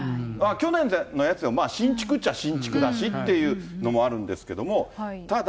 去年のやつ、新築っちゃ新築だしっていうのもあるんですけども、ただ。